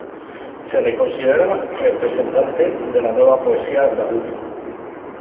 Se le considera representante de la nueva poesía andaluza.